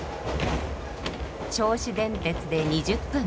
銚子電鉄で２０分。